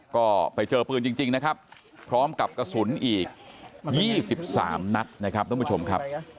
ก็ไปเจอปืนจริงนะครับพร้อมกับกระสุนอีก๒๓นัดนะครับท่านผู้ชมครับ